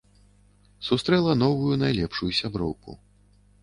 Сустрэла новую найлепшую сяброўку.